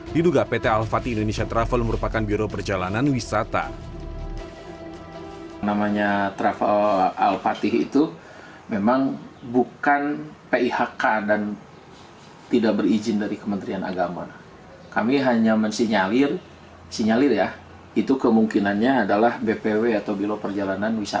diduga pt alfati indonesia travel merupakan biro perjalanan wisata